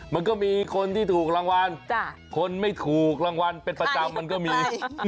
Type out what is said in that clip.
มันก็มีคนที่ถูกรางวัลคนไม่ถูกรางวัลเป็นประจำมันก็มี